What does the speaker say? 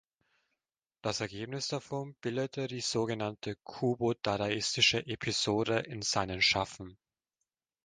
Das Ergebnis davon bildete die so genannte kubo-dadaistische Episode in seinen Schaffen.